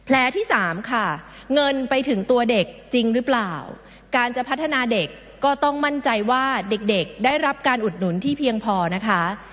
และที่สามค่ะเงินไปถึงตัวเด็กจริงหรือเปล่าการจะพัฒนาเด็กก็ต้องมั่นใจว่าเด็กเด็กได้รับการอุดหนุนที่เพียงพอนะคะ